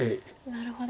なるほど。